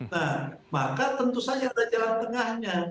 nah maka tentu saja ada jalan tengahnya